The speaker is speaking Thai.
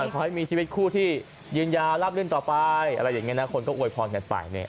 ขอให้มีชีวิตคู่ที่เย็นยารับเรื่องต่อไปอะไรแบบนี้นะคนก็เอาอวยพรไป